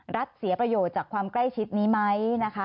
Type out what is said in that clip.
เสียประโยชน์จากความใกล้ชิดนี้ไหมนะคะ